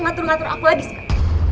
ngatur ngatur aku lagi sekarang